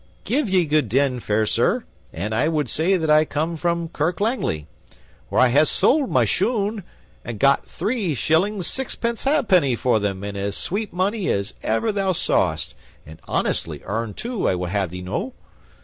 "Give ye good den, fair sir, and I would say that I come from Kirk Langly, where I ha' sold my shoon and got three shillings sixpence ha'penny for them in as sweet money as ever thou sawest, and honestly earned too, I would ha' thee know.